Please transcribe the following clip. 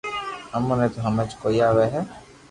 امو ني تو ھمج ڪوئي آوي ھي